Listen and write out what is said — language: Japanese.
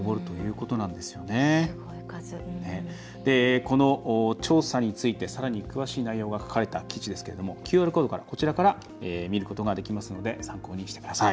この調査についてさらに詳しい内容が書かれた記事ですけどもＱＲコードから見ることができますので参考にしてください。